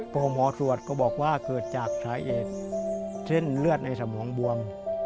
พอหมอสวดก็บอกว่าเกิดจากสาเหตุเส้นเลือดในสมองบวม